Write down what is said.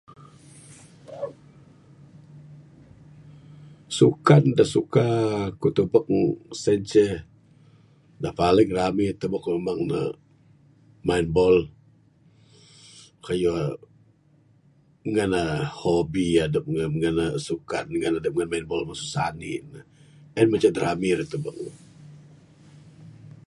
Sukan da suka ku tubek sien ceh, da paling rami tubek ku meng ne main ball, kayuh ngan ne hobi adep ngan ne sukan minat adep ngan main ball masu sanik ne. En manceh rami dep tubek ne.